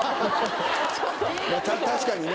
確かにね。